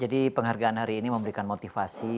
jadi penghargaan hari ini memberikan motivasi